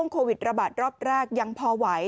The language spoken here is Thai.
โควิดระบาดรอบแรกยังพอไหว